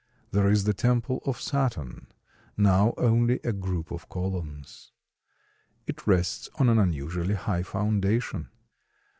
There is the temple of Saturn, now only a group of columns. It rests on an unusually high foundation.